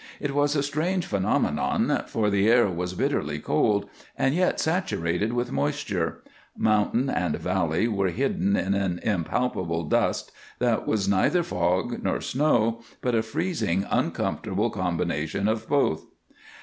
It was a strange phenomenon, for the air was bitterly cold and yet saturated with moisture; mountain and valley were hidden in an impalpable dust that was neither fog nor snow, but a freezing, uncomfortable combination of both.